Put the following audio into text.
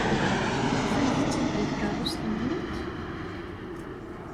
Tufamt-t-id deg tkeṛṛust-nwent?